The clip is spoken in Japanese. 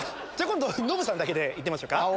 今度ノブさんだけで行ってみましょうか。